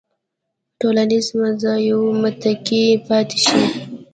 ټولنیزو مزایاوو متکي پاتې شي.